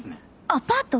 アパート！？